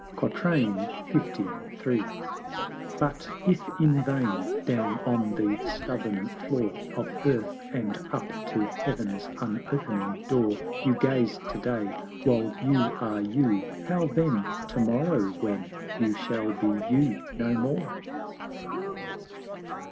LIII. But if in vain, down on the stubborn floor Of Earth, and up to Heav'n's unopening Door, You gaze TO DAY, while You are You how then TO MORROW, when You shall be You no more?